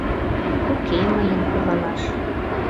Уке мыйын куралаш